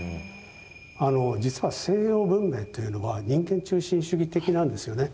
実は西洋文明というのは人間中心主義的なんですよね。